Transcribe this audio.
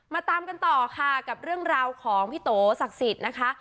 มาตามกันต่อค่ะกับเรื่องราวของพี่โตสักศิลป์นะคะ